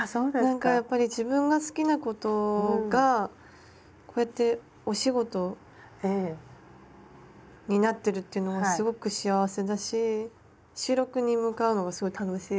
なんかやっぱり自分が好きなことがこうやってお仕事になってるっていうのがすごく幸せだし収録に向かうのがすごい楽しい。